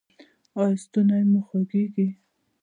ایا ستونی مو خوږیږي؟